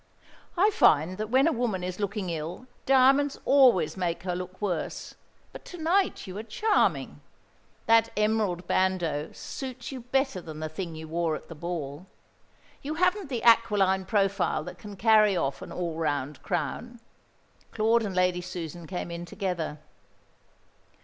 I find that when a woman is looking ill diamonds always make her look worse; but to night you are charming. That emerald bandeau suits you better than the thing you wore at the ball. You haven't the aquiline profile that can carry off an all round crown." Claude and Lady Susan came in together.